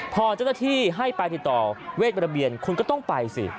พอเจ้าหน้าที่ให้ไปติดต่อเวทระเบียนคุณก็ต้องไปสิ